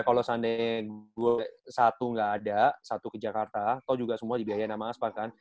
kalau seandainya gua satu gak ada satu ke jakarta atau juga semua dibiayain sama aspak kan